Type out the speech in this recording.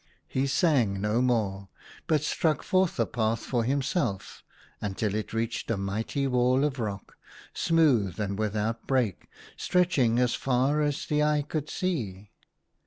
He sang no more, but struck forth a path for himself, until he reached a mighty wall of rock, smooth and without break, stretching as far as the eye could see.